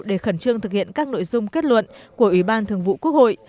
để khẩn trương thực hiện các nội dung kết luận của ủy ban thường vụ quốc hội